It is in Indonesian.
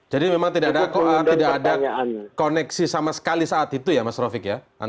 jadi memang tidak ada koneksi sama sekali saat itu ya mas rofiq ya